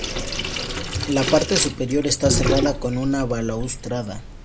La parte superior está cerrada con una balaustrada.